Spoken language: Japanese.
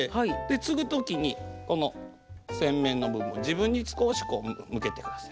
つぐ時にこの扇面の部分を自分に少しこう向けてください。